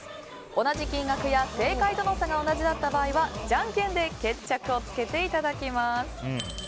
同じ金額や正解との差が同じだった場合はじゃんけんで決着をつけていただきます。